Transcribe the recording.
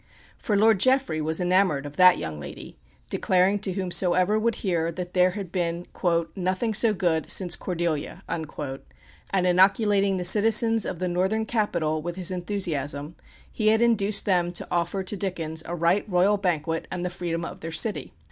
For Lord Jeffrey was enamoured of that young lady, declaring to whomsoever would hear that there had been "nothing so good ... since Cordelia;" and inoculating the citizens of the northern capital with his enthusiasm, he had induced them to offer to Dickens a right royal banquet, and the freedom of their city.